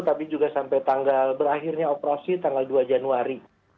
tapi juga sampai tanggal berakhirnya operasi tanggal dua januari